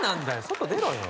外出ろよ！